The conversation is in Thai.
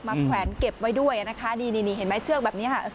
แขวนเก็บไว้ด้วยนะคะนี่เห็นไหมเชือกแบบนี้ค่ะ